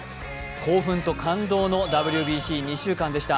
興奮と感動のＷＢＣ２週間でした。